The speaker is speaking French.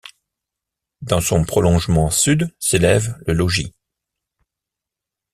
Dans son prolongement sud s'élève le logis.